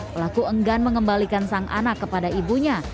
pelaku enggan mengembalikan sang anak kepada ibunya